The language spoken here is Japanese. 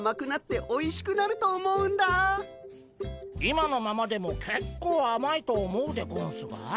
今のままでもけっこうあまいと思うでゴンスが。